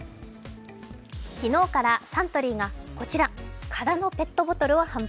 昨日からサントリーが空のペットボトルを販売。